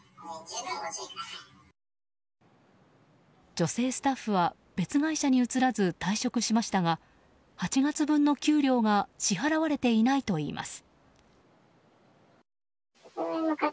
女性スタッフは別会社に移らず退職しましたが８月分の給料が支払われていないといいます。